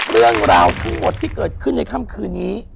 เรื่องราวที่เกิดขึ้นในค่ำคืนนี้